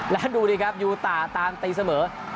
แล้วดูดิครับยูตาตามตีเสมอ